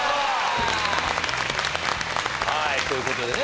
はいという事でね